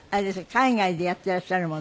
海外でやっていらっしゃるもの？